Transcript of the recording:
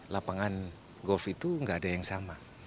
lapangan golf itu nggak ada yang sama